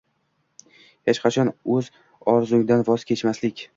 Hech qachon o‘z orzuingdan voz kechmaslik.